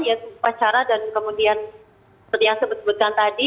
yaitu pacara dan kemudian seperti yang saya sebutkan tadi